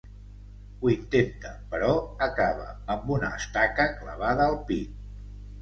Ho intenta, però acaba amb una estaca clavada al pit.